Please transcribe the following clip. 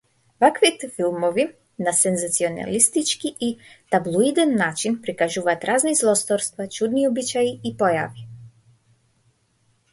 Ваквите филмови на сензационалистички и таблоиден начин прикажуваат разни злосторства, чудни обичаи и појави.